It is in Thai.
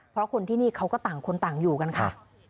เพราะคนที่นี่เขาก็ต่างคนต่างอยู่กันค่ะ